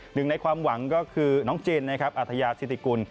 หนึ่งในความหวังก็คือน้องเจนนะครับอัธยาธิติกุล